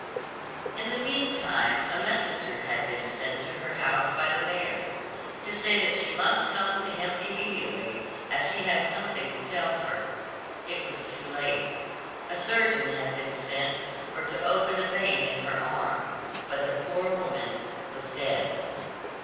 In the meantime a messenger had been sent to her house by the mayor, to say that she must come to him immediately, as he had something to tell her. It was too late; a surgeon had been sent for to open a vein in her arm, but the poor woman was dead.